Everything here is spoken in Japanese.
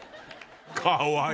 かわいい。